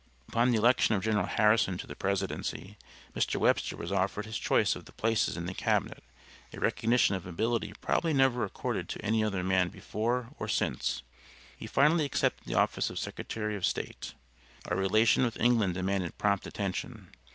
Upon the election of General Harrison to the presidency Mr. Webster was offered his choice of the places in the cabinet, a recognition of ability probably never accorded to any other man before or since. He finally accepted the office of Secretary of State. Our relation with England demanded prompt attention.